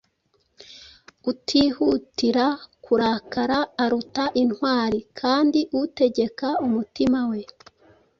Utihutira kurakara aruta intwari, kandi utegeka umutima we,